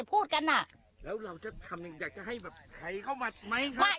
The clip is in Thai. พูดกันอ่ะแล้วเราจะทำยังไงอยากจะให้แบบใครเข้ามาไหม